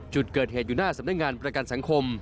จุดเกิดเหตุอยู่หน้าสำนักงานประกันสังคม